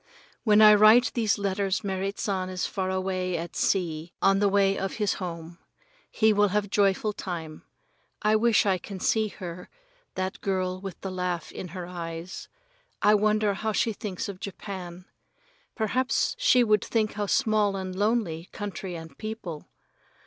When I write these letters Merrit San is far away at sea on the way of his home. He will have joyful time. I wish I can see her, that girl with the laugh in her eyes. Wonder how she thinks of Japan. Perhaps she would think how small and lonely country and people.